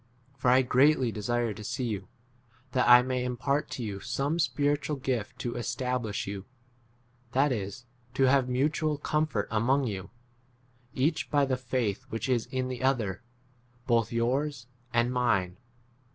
For I greatly desire to see you, that I may impart to you some spiritual 12 gift to establish you ; that is, to have mutual comfort among you, each by the faith which [is] in the 13 other, both yours and mine.